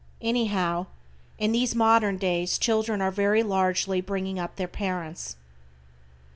Anyhow, in these modern days children are very largely bringing up their parents.